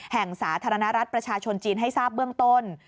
สาธารณรัฐประชาชนจีนให้ทราบเบื้องต้น